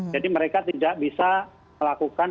jadi mereka tidak bisa melakukan